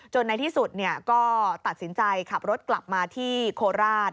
ในที่สุดก็ตัดสินใจขับรถกลับมาที่โคราช